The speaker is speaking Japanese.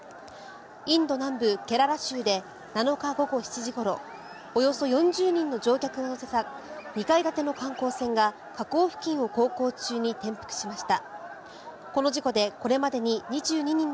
インド南部ケララ州で７日午後７時ごろおよそ４０人の乗客を乗せた２階建ての観光船が河口付近を航行中に転覆しました。